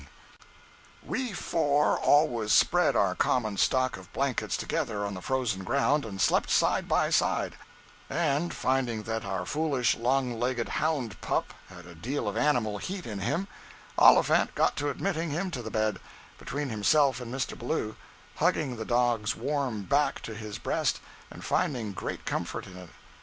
jpg (62K) We four always spread our common stock of blankets together on the frozen ground, and slept side by side; and finding that our foolish, long legged hound pup had a deal of animal heat in him, Oliphant got to admitting him to the bed, between himself and Mr. Ballou, hugging the dog's warm back to his breast and finding great comfort in it.